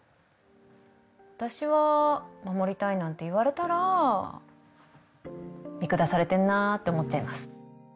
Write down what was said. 私は「守りたい」なんて言われたら見下されてんなぁって思っちゃいます。